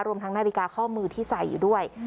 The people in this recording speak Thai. รวมทั้งนาฬิกาข้อมือที่ใส่อยู่ด้วย